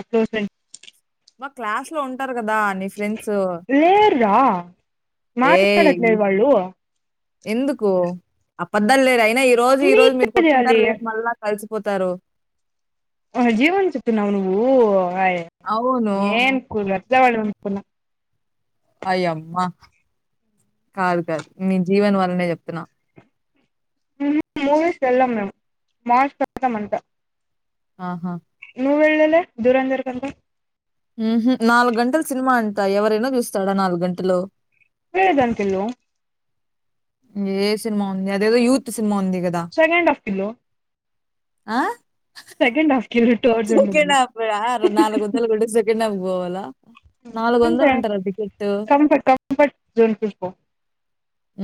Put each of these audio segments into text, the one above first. ఒకే friend మా class లో ఉంటారు కదా నీ ఫ్రెండ్స్ యా ఏయ్! మాట్లాడట్లేదు వాళ్ళు ఎందుకు అబద్ద్దాలు లేరు అయినా ఈ రోజు ఈ రోజు నీకు మీరు తెలియాలి కొట్టుకుంటారు రేపు మళ్ళా కలిసి పోతారుో ఆ జీవ అంచితు నవ నువవు వయ్ అవును. ఏను కూట్ల వాళ్ళు అనుకున్నా అయ్యమ్మా కాదు కాదు మీ జీవన్ వల్లనే చెప్తున్నా మూవిీస్ వెళ్ల మేమ్ మార్చ్ పతామనంట ఆహా నువూ వెళ్ళలే దూరంజర కంత నాలుగు గంటలు సినిమా అంటా ఎవరైనా చూస్తాడా నాలుగు గంటలో వెద అంతల్ ఏ సినిమా ఉంది అదేదో యూత్ సినిమా ఉంది గదా! సెకంండ్ ఆఫ్ కిలో ఆ second half kilo third zone second ఉంది హాఫ్ ఆ నల్ వంతలు సెకెండ్ హాఫ్ పోవాల నాలుగు అంతే వందలు అంటరా టికెట్ కంఫర్ట్ కంఫర్ట్ జోన్ చూసుకో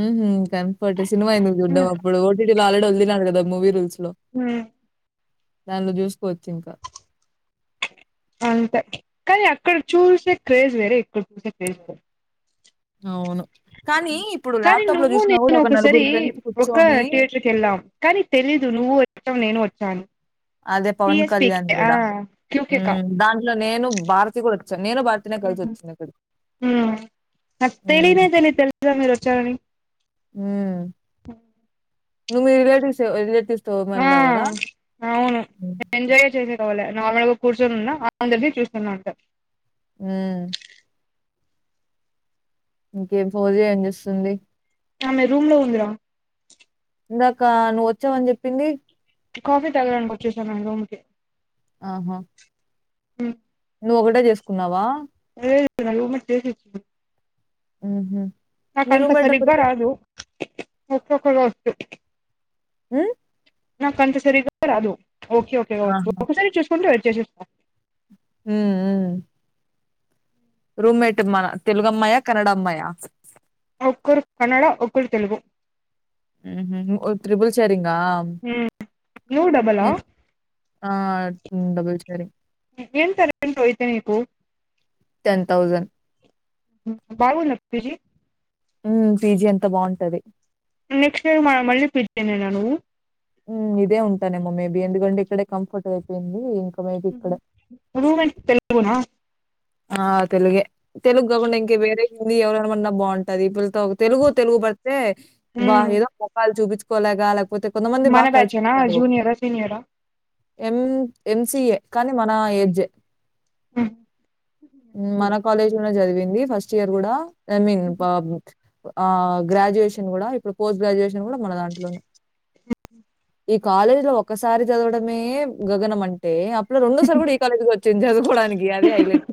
ఉమ్ హా కన్ఫర్ట్ సినిమా అయింది చూడ్డం అప్పుడు ఓటీలో ఆల్రెడీ వదులుతారు కదా మూవీ రూల్స్ హమ్ దానిలో చూసుకోవచ్చు ఇంకా అంతే కానీ అక్కడ చూసే క్రేజ్ వేరే ఇక్కడ చూసే క్రేజ్ వేరే అవును. కానీ ఇప్పుడు కానీ ల్యాప్‌టాప్‌లో నువ్వు జూసినా గూడా నేను ఒక ఒకక్కసారి నలుగురు ఫ్రెండ్స్ ఒక్క కూర్చొని థియేటర్ కి వెళ్ళం కానీ తెలీదు నువ్వు వచ్చావు నేను వచ్చాను అదే పవన్ టిఎస్పికి కళ్యాణ్ ఆ కదా క్యూకేకా ఉమ్ దాంట్లో నేను భారతి కూడా నేను భారతినే కలిసి వచ్చింది ఇక్కడికి ఉమ్ నాకు తెలీన తెలి తెలిదు మీరు వచ్చారని హమ్ నువే మీ రిలేటివ్స్ రిలేటివ్స్ ఆ అవును హ్మ్. ఎంజాయే చేయలేదు వాళ్ళు మామలుగా కూర్చొని ఉన్న అందరిది చూస్తున్నా ఉంటారు ఆమ్ ఇంకే భోజ [unintelligible] ఏం చేస్తుంది ఆమె రూమ్ లో ఉందిగా ఇందాక నువ్వు వచ్చావని చెప్పింది కాఫీ తాగడానికి వచ్చేసాను నేను రూమ్ కి ఆహ ఆమ్ నువ్వు ఒకటే చేసుకున్నావా ఉమ చేసి [unintelligible] ఉమ్ హా నాకంత సరిగా రాదు కొంచెం కొంచెం వచ్చూ హ నాకు అంత సరిగా రాదు ఓకే ఓకేగా వచ్చు ఆహా! ఒకసారి చూసుకుంటే వ చేస్తేస్తా ఆమ్ రూమ్మేట్ అమ్మా తెలుగు అమ్మయా కన్నడ అమ్మాయా ఒక్కరు కన్నడ ఒక్కరు తెలుగు హమ్ హా ట్రిబుల్ షేరింగ్ హ నువ్వు డబల్లా ఆ డబుల్ షేర్ యే ఏం టాలెంట్ అయితే నీకు టెన్ థౌజండ్ బబ నకు తజీ [unintelligible] ఉ పీజీ అంత బాగుంటా ది నెక్స్ట్ ఇయర్ మల్లా మళ్ళీ పి జి యేన నువ్వు. హ్మ ఇదే ఉంటానేమో మేబీ ఎందుకంటే ఇక్కడే కంఫర్ట్ అయిపోయింది ఇంకా మేబీ ఇక్కడే హుహ్ రూమెట్ తెలుగునా ఆ తెలుగే తెలుగు కాకుండా ఇంకా వేరేయ్ కానీ ఎవరనమన్నా బావుంటది. ఈ పిల్లతో తెలుగు తెలుగు పడితే బా మ్మ్ ఏదో మొకాలు చూపించు కోలేకా ఆలకు పోతే కొంతమంది మన బాగా కలిసి బ్యాచేనా పోయినారు. జూనియరా సీనియరా ఎం ఎంసిఏ కానీ మన ఏజే. ఆమ్ మన కాలేజ్ లో చదివింది ఫస్ట్ ఇయర్ కూడా ఐ మీన్ [unintelligible] ఆ గ్రాడ్యుయేషన్ కూడా ఇప్పుడు పోస్ట్ గ్రాడ్యుయేషన్ కూడా మన దాంట్లోనే. ఈ కాలేజీ లో ఒక్కసారి చదవడమే గగనం అంటే ఆ రెండోసారి కూడా ఈ కాలేజ్ వచ్చింది చదుకోవడానికి అది హైలెట్.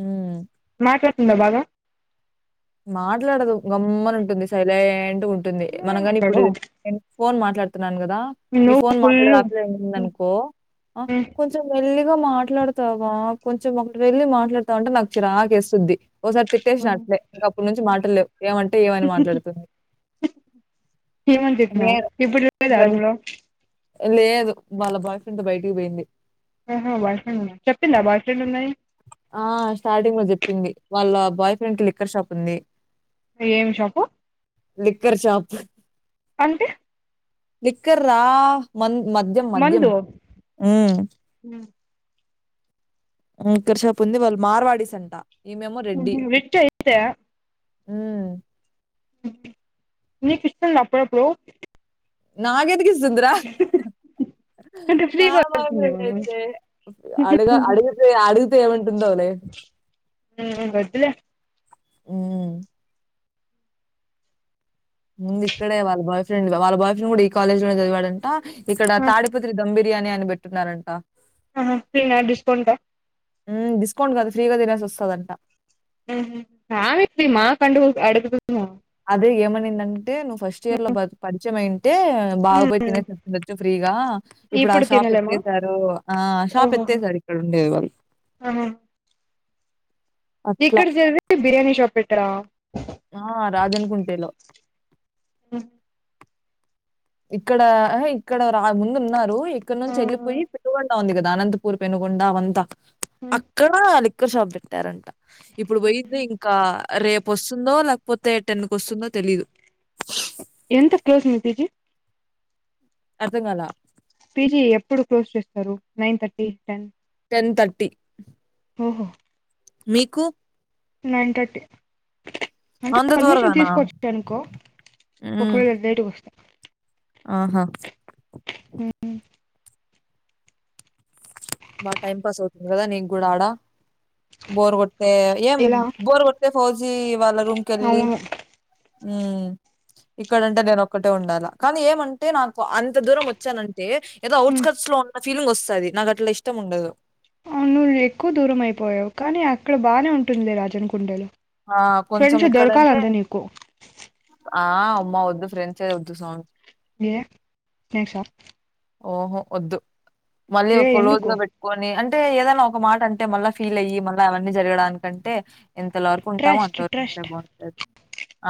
ఉమ్ మాట్లాడుతుందా బాగా. మాట్లాడదు గమ్మన ఉంటుంది సైలెంట్గా ఉం టుంది నువ్వే మనం గాని మాట్లాడు ఇప్పుడు ఎన్ ఫోన్ మాట్లాడు తున్నాను కదా ఈ నువ్వు ఫోన్ ఫుల్ మాట్లాడేది ఆపిల్ల వినింది అనుకో కొంచం మెల్లిగా గా మాట్లాడతావా కొంచెం ఒకటి వెళ్ళి మాట్లాడతావ అంటే నాకు చిరాకేసుద్ది. ఓసారి తిట్టేసిన అట్లే ఇంగా అప్పటి నుంచి మాటల్లేవు ఏమంటే ఏమని మాట్లాడుతది. ఏమని చెప్పినవు ఇప్పుడు చెప్పేదా రూమ్ంలో లేదు వాళ్ళ బాయ్ ఫ్రెండ్ బయటికి పోయింది. ఆహా బాయ్ఫ్రెండ్ ఉన్నాడ. చెప్పిందా బాయ్ఫ్రెండ్ ఉండని. చెప్పింది వాళ్ళ బాయ్ ఫ్రెండ్ కి లిక్కర్ షాప్ ఉంది. ఏం షాపు? Liquor shop. అంటే లిక్కర్ రా మందు మద్యం మద్యం మందు హ్మ్ లిక్కర్ షాప్ ఉంది వాళ్ళు మార్వాడీస్ అంటా. హుహ్ రిచ్ అయితే. హ్మ్ నీకు ఇస్తుందా అప్పుడు డప్పుడు. నాకేందుకు ఇస్తుంది రా. అంటే ఫ్రీగా దొరుకుతుంది మనం అడుగ అడుగుతే అడుగుతే ఏమంటుందో లే [inaudible] హుమ్ ముందు ఇక్కడే వాళ్ళ బాయ్ ఫ్రెండ్ వాళ్ళ బాయ్ ఫ్రెండ్ కూడా ఈ కాలేజ్ లోనే చదివాడంట, ఇక్కడ ఆ తాడిపత్రి దంభిర్ బిర్యానీ అని పెట్టిన్నారంటా ఆహా ఫ్రీ నా డిస్కౌంట్ ఆ హ్మ్. డిస్కౌంట్ కాదు ఫ్రీగా తినేసి వస్తాదంటా. ఆహా అదే ఏమనీ దం ంటే నువ్వు ఫస్ట్ ఇయర్ లో పరిచయం అయి ఉంటే బాగ పోయి ఉమ్ తినేసిండచ్చు ఫ్రీగా ఇప్పుడు ఆ షాప్ ఎత్తేసారు ఆ షాప్ ఎత్తేసారు ఇక్కడ ఉండేది వాళ్ళు. ఆహా అట్లా. ఇక్కడ చదివి బిర్యానీ షాప్ పెట్టారా. ఆ రాజనుకుంటేలో. ఆ ఇక్కడ ఇక్కడ రా ముందు ఉన్నారు ఇక్కడ ఆ నుంచి వెళ్ళిపోయి పిల్ వండా ఉంది కదా అనంతపూర్ పెనుగొండ అవంతా ఉమ్ అక్కడ లిక్కర్ షాప్ పెట్టారంట ఇప్పుడు పోయింది ఇంకా రేపు వస్తుందో లేకపోతే టెన్ కి వస్తుందో తెలీదు ఎంత కేజీ పిజి అర్ధం కాల పీజీ ఎప్పుడు క్లోజ్ చేస్తారు nine thirty ten ten thirty ఓహో మీకు నైన్ థర్టీ. అంటే అంత పర్మిషన్ త్వరగానా? తీసుకోవచ్చ అనుకో హ్మ్. ఒకవేళ లేటుగా వస్తే ఆహా బాగా టైం పాస్ అవుతుంది కదా నీకు కూడా ఆడా బోర్ కొట్ ఏం ఎలా బోర్ కొతే ఫౌజీ వాళ్ళ రూమ్ కి వెళ్ళి అవును ఉ ఇక్కడంటే నేను ఒక్కటే ఉండాల కానీ ఏమంటే నాకు అంత దూరం వచ్చానం టే ఏదో ఉమ్ ఔట్స్కట్స్ లో ఉన్న ఫీలింగ్ వస్తది నాకు అట్లా ఇష్టం ఉండదు అవును నువ్వు ఎక్కువ దూరం అయిపోయావు కానీ అక్కడ బాగానే ఉంటుంది రాజను కుండలో ఆ కొంచెం ఫ్రెండ్స్ దొరకాల ఇక్కడంటే అంటే నీకు ఆ ఆమ్మో ఒద్దు ఫ్రెండ్స్ ఏ వద్దు స్వామి ఏ ఫ్రెష్ హ ఓహో వద్దు మళ్ళీ ఏ ఒక లోజ్ ఎందుకు గా పెట్టుకొని అన్ అంటే ఏదన్నా ఒక మాట అంటే మళ్ళీ ఫీల్ అయ్యి మళ్ళీ అవన్నీ జరగడానికంటే ఇంతలో వరకు ఉంటామో ట్రస్ట్ అంతవరకు ఉంటే ట్రస్ట్ బాగుంటంది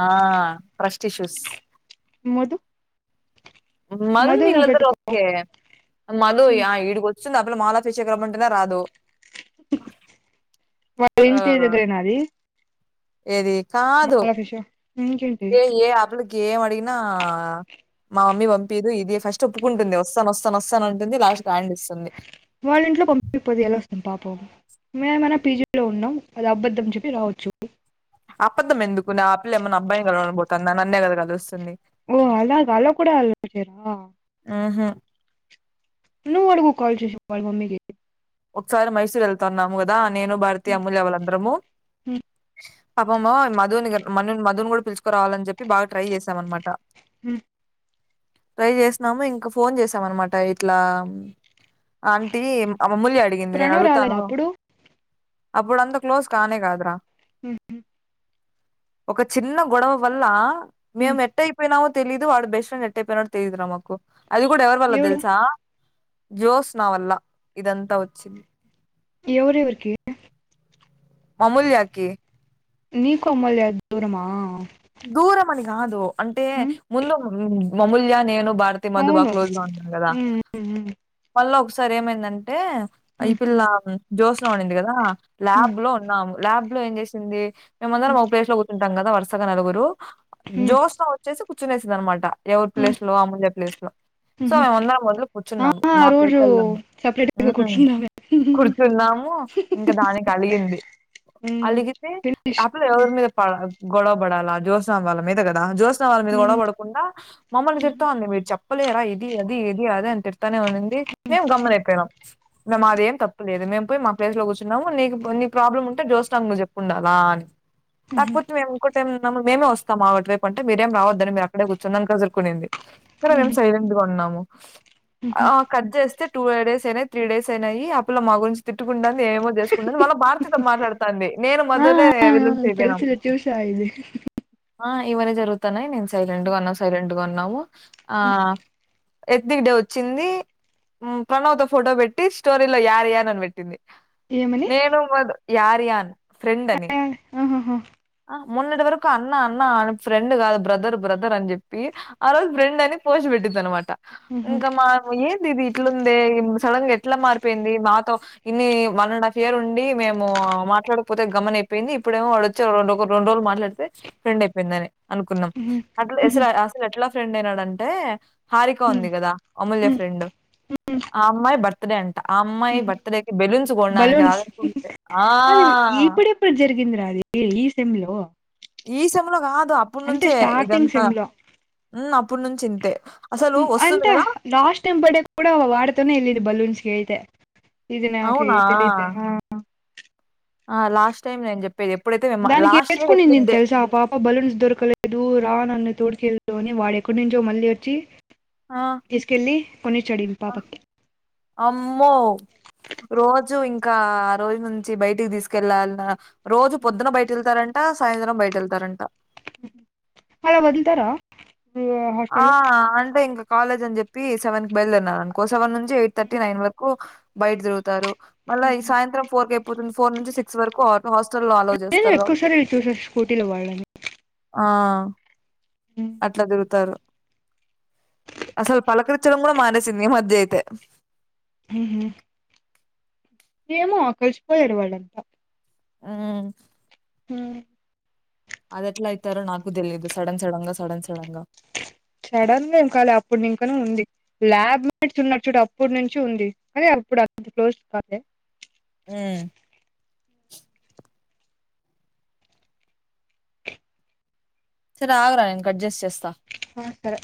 ఆ ట్రస్ట్ ఇష్యూస్ మొద్దు మధు వీళ్లు అందరూ ఓకే మధు య ఉమ్. ఈడుగో వస్తుంది అప్పుడు మాలాభిషేకరం రమ్మంటేనే రాదు వాళ్ళ ఆ, ఇంటి దగ్గరేనా అది ఏది కాదు మాలాభిషే ఏ ఏ అప్పులుకి ఎం అడిగినా మా మమ్మీ పంపిదు ఇది ఫస్ట్ ఒప్పుకుంటుంది వస్తాను వస్తాను వస్తాను అంటుంది లాస్ట్ హ్యాండ్ ఇస్తుంది వాళ్ళంట్లో పంపియకపోతే ఎలా వస్తుంది పాపం మేము ఏమైనా పీజీలో ఉన్నాం అది అబద్ధం చెప్పి రావచ్చు అబద్ధం ఎందుకున్నా ఆ పిల్ల ఏమన్నా అబ్బాయిని కలవడం పోతందా నాన్నే కదా కలుస్తుంది ఓ అలాగా అలా కూడా అలా వచేరా ఉహుం. నువ్ అడుగు కాల్ చేసి వాళ్ళ మమ్మీ కి ఒకసారి మైసూర్ వెళ్తాన్నాము కదా నేను భారతీ ఉమ్, అమూల్య వాళ్ళు అందరము ఉమ్, పాపమో మధుని గర్ మను ని మధుని కూడా పిలుచకురావాలని చెప్పి బాగా ట్రై చేశాం అనమాట ఉ ట్రై చేసినాము ఇంకా ఫోన్ చేసాం అనమాట ఇట్లా ఆంటీ అమ మూల్యా అడిగింది నేను ప్రణవ్ రాలేదు అడుగుతాను అప్పుడు అప్పుడు అంత క్లోస్ కానే కాదురా ఉహు ఒక చిన్న గొడవ వల్ల ఉమ్. మేము ఎట్టయిపోయినాము తెలీదు వాడు బెస్ట్ ఫ్రెండ్ ఎట్టయిపోయినడు తెలిదరా మాకు అది కూడా ఎవరి వల్ల ఎవడు తెలుసా జోష్ణ వల్ల ఇదంతా వచ్చింది ఎవరు ఎవరికి అమూల్య కి నీకు అమూల్య కు దూరమా దూరం అని కాదు అంటే ఉమ్ ముందు మామూల్య నేను. భారతి మధు బాగా అవును క్లోజ్ గా ఉన్నారు కదా. ఉమ్ ఉమ్ మళ్ళ ఒకసారి ఏమైందంటే. అంటే ఈ ఉమ్ పిల్ల జోత్స్న ఉంది కదా ఉమ్ ల్యాబ్ లో ఉన్నాము. ల్యాబ్ లో ఏం చేసింది ఉమ్ మేమందరం మా ప్లేస్ లో కూర్చుంటాం కదా వరుసగా నలుగురు. ఉమ్ జోత్స్న వచ్చేసి కూర్చేసిందినమాట ఎవరి ఉమ్ ప్లేస్ లో అమూల్య ప్లేస్ లో. ఉమ్ సో ఉమ్ మేము అందరం వదిలి ఆ కూర్చున్నాము ఆ మా ప్లేస్ రోజు లలో మేము సపరేట్గా ఉమ్. కూర్చున్నామే కూర్చున్నాము ఇంకా దానికి అలిగింది. ఉమ్ అలిగితే ఫినిష్ ఆ పిల్ల ఉమ్ ఎవరి మీద పడల్ గొడవ పడాలా జోత్స్న వాళ్ళ మీద కదా. జ్యోత్స్న వాళ్ళ మీద ఉమ్ గొడవపడకుండా మమ్మల్ని తిడతా ఉంది మీరు చెప్ప్. ఓ లేరా ఇది అది ఇది అది అని తిడుతానే ఉండింది మేం గమ్మున అయిపోయినాం ఇందా మాది ఎం తప్పు లేదు మేము పోయి మా ప్లేస్ లో కూర్చున్నాం నీకు నీ ప్రాబ్లమ్ ఉంటే జోష్ణ కు నువ్ చెప్పు ఉండాలా అని ఆహ్ పుతువేం. అంటే మము మేము వస్తాం అటూ వైపు అంటే మీరేం రావద్దని మీరు అక్కడే కూర్చోండి అని కసురుకునింది. సరే మేము ఉమ్ సైలెంట్ గా ఉన్నాము. ఆహ్ కట్ చేస్తే. టూ డేస్ అయినవి త్రీ డేస్ అయినవి ఆ పిల్ల మా గురించి తిట్టుకుంటోంది. ఏమో చేసుకున్నది మళ్ళ భారతీతో మాట్లాడుతంది నేను ఆ మదునే ఆ ఆ విలన్స్ అయిపోయినం. తెలుసులే చూసా ఇది ఆహ్ ఇవన్నీ జరుగుతున్నాయి నేను సైలెంట్ గా ఉన్నా సైలెంట్ గా ఉన్నాము ఉమ్, ఆహ్. ఎత్నిక్ డే వచ్చింది ఉమ్ ప్రణవ్ తో ఫోటో పెట్టి స్టోరీలో యారు యే అని పెట్టింది. ఏమని నేను మధు యారయన్ ఫ్రెండ్ అని. ఆ ఆహాహా మెన్నటి వరకు అన్న అన్న అనీ ఫ్రెండ్ కాదు బ్రదర్ బ్రదర్ అని చెప్పి ఆ రోజు ఫ్రెండ్ అని పోసిపెట్ తిట్టిది అనమాట ఉహు ఇంకా మా పోయి. ఇది ఇట్లుందే సడన్ గా ఎట్లా మారిపోయింది. మాతో ఇన్ని వన్ అండ్ హాఫ్ ఇయర్ ఉండి మేము. మాట్లాడకపోతే గమున అయిపోయింది ఇప్పుడేమో వడోచ్చి రెండొ రెండు రోజులు మాట్లాడితే ఫ్రెండ్ అయిపోయిందని అనుకున్నాం. ఉహు అట్ ఉహు అసలు అస ఎట్లా. ఫ్రెండ్ అయినాడంటే హారిక ఉంది ఉమ్ కదా అమూల్య ఉమ్ ఫ్రెండ్ ఆ అమ్మాయి భర్త. గొనడానికి బలోన్స్ రాదనుకుంటే ఆ! అది ఇప్పుడు ఎప్పుడు జరిగి. ఇందుర అది ఈ సెమ్ లో. ఈ సేమ్ లో కాదు అప్పడు అంటే నుంచే స్టార్టింగ్ ఇదంతా సెమ్ లో ఉమ్ అప్పటి నుంచి ఇంతే. అసలు ఉమ్ వస్తుంది అంటే గదా! లాస్ట్ టైమ్ బర్త్డే కూడా వాడితోనే వెళ్ళింది బలూన్స్ గైతే. ఇది నాకే అవునా! తెలిదే ఆహ్. ఆ లాస్ట్ టైమ్ నేను చెప్పి దానికి ఎయిడ్స్కునుంది తెల్సా పాప బలూన్స్ దొరకలేదు రా నన్ను తోడ్కెళ్. లోని వాడెక్కడి నుంచో మళ్ళీ వచ్చి ఆ! తీసుకెళ్ళి కొనిచ్చాడు ఈ ఆ, పాపకి. అమ్మో. రోజు ఇంకా ఆ రోజు నుంచి బయటికి తీసుకెళ్ళాలన్న. రోజు పొద్దున బయట వెళ్తారంట. సాయంత్రం బయట వెళ్తారంట. అలా వదులుతారా. హాస్టల్లో ఆహ్ అంటే ఇంకా కాలేజ్ అని చెప్పి సెవెన్ కి బయలుదేరిన్నారు అనుకోస్ సెవెన్ నుంచి ఎయిట్ థర్టీ నైన్ వరకు బయట తిరుగుతారు. మళ్ళా ఈ సాయంత్రం ఫోర్ కి అయిపోతుంది ఫోర్ నుంచి సిక్స్ వరకు హాస్టల్ లో అలో నేను చేస్తారు ఎక్కువ కాబట్టి. సార్లు చూసా స్కూటీలో వాళ్ళని. ఆహ్ అట్లా తిరుగుతారు. అసలు పలకరిచడం కూడా మానేసింది ఈ మధ్య అయితే. ఉహు ఏమో కలిసిపోయారు వాళ్ళంతా. ఉమ్. ఉమ్. అదే ఎట్లా అయితారో నాకు తెలిదు సడన్ సడన్గా సడన్ సడన్ గా. సడన్ గా ఎంకాలే అప్పుడు నుం ఇంకానే ఉంది ల్యాబ్ మేట్స్ ఉన్నారు చూడు అప్పుటినుంచి ఉంది అదే. ఇప్పుడు అంత క్లోజ్ కాలే ఉమ్ సరే ఆగరా ఇంక కట్చేసి చేస్తా ఆ సరే